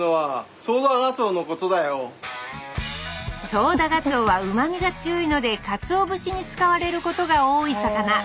ソウダガツオはうまみが強いのでかつお節に使われることが多い魚。